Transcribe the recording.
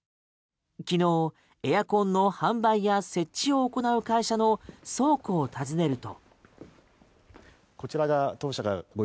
昨日、エアコンの販売や設置を行う会社の倉庫を訪ねると。